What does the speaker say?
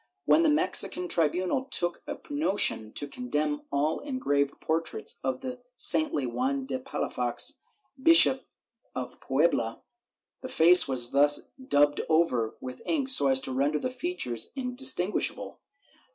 When the Mexican tribunal took a notion to condemn all engraved portraits of the saintly Juan de Palafox, Bishop of Puebla, the face was thus daubed over with ink so as to render the features indistinguishable.